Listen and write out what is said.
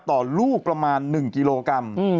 ต่อลูกประมาณ๑กิโลกรัม